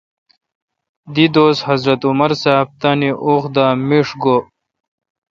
دیدوس حضرت عمر صاب تانی وخ دا میݭ گو۔